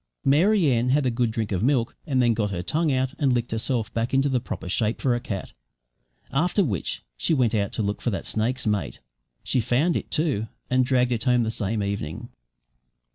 Mary Ann had a good drink of milk, and then got her tongue out and licked herself back into the proper shape for a cat; after which she went out to look for that snake's mate. She found it, too, and dragged it home the same evening.